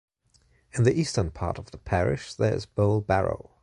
In the eastern part of the parish there is bowl barrow.